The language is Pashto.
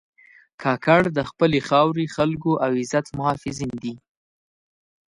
کاکړ د خپلې خاورې، خلکو او عزت محافظین دي.